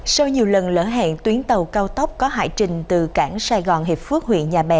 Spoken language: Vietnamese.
sau nhiều lần lỡ hẹn tuyến tàu cao tốc có hải trình từ cảng sài gòn hiệp phước huyện nhà bè